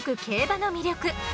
競馬の魅力。